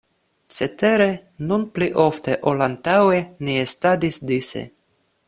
Cetere, nun pli ofte ol antaŭe ni estadis dise.